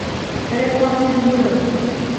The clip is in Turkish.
Evet, tahmin edebiliyorum.